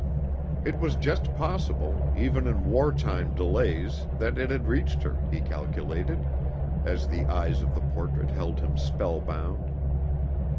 It was just possible, even in war time delays, that it had reached her, he calculated, as the eyes of the portrait held him spellbound.